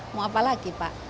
mau apa lagi pak